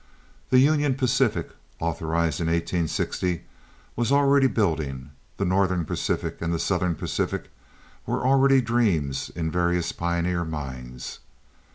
The Union Pacific, authorized in 1860, was already building; the Northern Pacific and the Southern Pacific were already dreams in various pioneer minds.